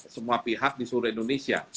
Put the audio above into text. semua pihak di seluruh indonesia